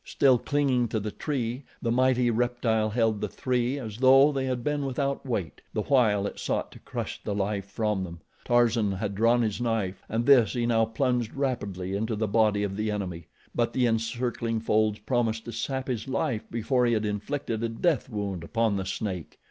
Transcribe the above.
Still clinging to the tree, the mighty reptile held the three as though they had been without weight, the while it sought to crush the life from them. Tarzan had drawn his knife and this he now plunged rapidly into the body of the enemy; but the encircling folds promised to sap his life before he had inflicted a death wound upon the snake.